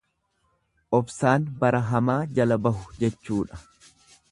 Obsaan bara hamaa jala bahu jechuudha.